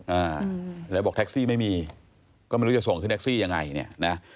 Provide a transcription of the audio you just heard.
อ่าแล้วบอกแท็กซี่ไม่มีก็ไม่รู้จะส่งขึ้นแท็กซี่ยังไงเนี่ยนะ